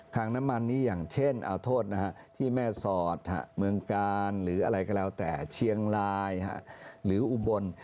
งน้ำมันนี้อย่างเช่นเอาโทษนะฮะที่แม่สอดเมืองกาลหรืออะไรก็แล้วแต่เชียงรายหรืออุบล